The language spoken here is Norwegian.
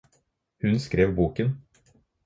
Hun skrev boken